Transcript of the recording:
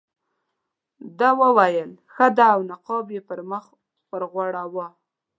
ده وویل ښه دی او نقاب یې پر مخ وغوړاوه.